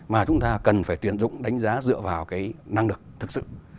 mà chúng ta cần phải tuyển dụng đánh giá dựa vào cái năng lực thực sự